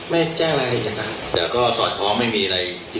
ไม่แจ้งรายละเอียดนะครับแต่ก็สอดคล้องไม่มีอะไรที่